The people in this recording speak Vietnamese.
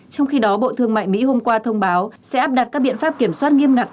trong khi đó bộ thương mại mỹ hôm qua thông báo sẽ áp đặt các biện pháp kiểm soát nghiêm ngặt